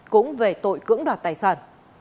cũng về tội cưỡng đoạt tài sản